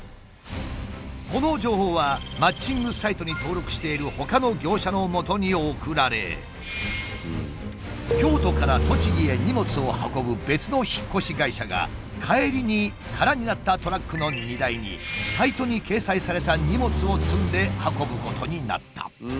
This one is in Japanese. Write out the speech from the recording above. この情報はマッチングサイトに登録しているほかの業者のもとに送られ京都から栃木へ荷物を運ぶ別の引っ越し会社が帰りに空になったトラックの荷台にサイトに掲載された荷物を積んで運ぶことになった。